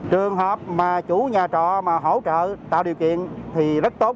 trường hợp mà chủ nhà trọ mà hỗ trợ tạo điều kiện thì rất tốt